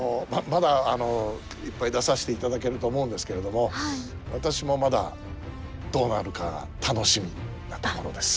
まだいっぱい出させていただけると思うんですけれども私もまだどうなるか楽しみなところです。